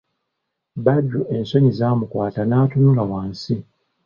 Badru ensonyi zaamukwata n'atunula wansi.